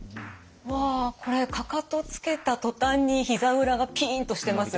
わこれかかとつけた途端にひざ裏がピンとしてます。